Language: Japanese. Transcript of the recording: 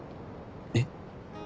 えっ？